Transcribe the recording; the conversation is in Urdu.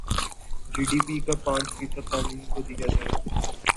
جی ڈی پی کا پانچ فیصد تعلیم کو دیا جائے